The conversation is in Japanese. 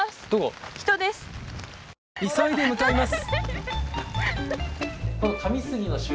急いで向かいます！